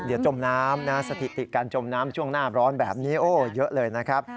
เดี๋ยวจมน้ำนะสถิติการจมน้ำช่วงหน้าร้อนแบบนี้โอ้เยอะเลยนะครับ